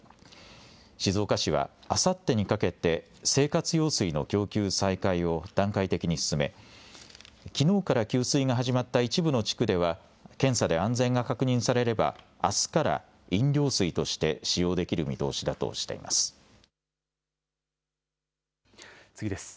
静岡市はあさってにかけて、生活用水の供給再開を段階的に進め、きのうから給水が始まった一部の地区では、検査で安全が確認されれば、あすから飲料水として使用できる見通次です。